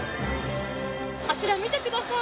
あちら見てください。